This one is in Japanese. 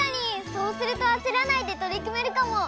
そうするとあせらないでとりくめるかも！